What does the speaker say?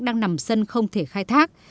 đang nằm sân không thể khai thác